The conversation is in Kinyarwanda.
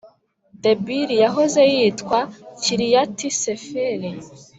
(Debiri yahoze yitwa Kiriyati-Seferi.)